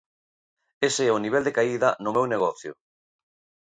Ese é o nivel de caída no meu negocio.